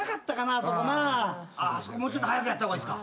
あそこもうちょっと速くやった方がいいっすか。